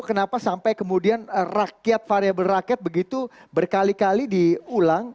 kenapa sampai kemudian rakyat variable rakyat begitu berkali kali diulang